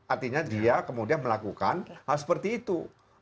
artinya dia kemudian melakukan hal seperti itu